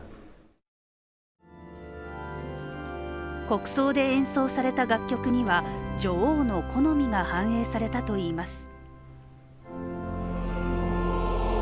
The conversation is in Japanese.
国葬で演奏された楽曲には女王の好みが反映されたといいます。